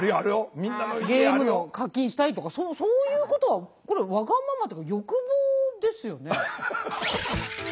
ゲームの課金したいとかそういうことはこれわがままっていうか欲望ですよね。